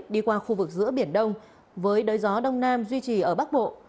đi qua khu vực giữa biển đông với đới gió đông nam duy trì ở bắc bộ